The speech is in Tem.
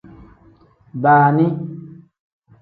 Baani.